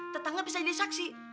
tetangga bisa jadi saksi